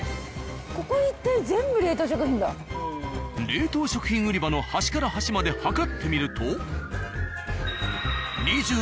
冷凍食品売り場の端から端まで測ってみると。